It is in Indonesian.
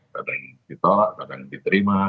kadang ditolak kadang diterima